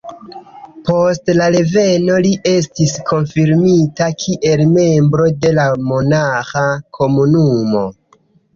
Post la reveno li estis konfirmita kiel membro de la monaĥa komunumo.